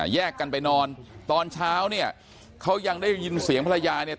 แยกกันไปนอนตอนเช้าเนี่ยเขายังได้ยินเสียงภรรยาเนี่ย